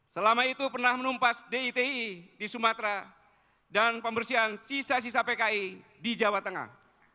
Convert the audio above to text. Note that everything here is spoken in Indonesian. selama itu pernah menumpas diti di sumatera dan pembersihan sisa sisa pki di jawa tengah